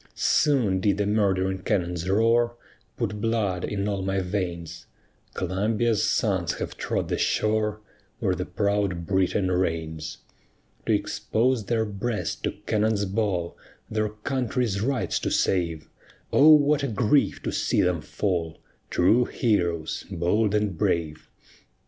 Soon did the murdering cannon's roar Put blood in all my veins; Columbia's sons have trod the shore Where the proud Britain reigns. To expose their breast to cannon's ball, Their country's rights to save, O what a grief to see them fall! True heroes, bold and brave!